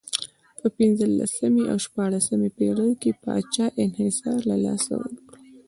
په پنځلسمې او شپاړسمې پېړیو کې پاچا انحصار له لاسه ورکړ.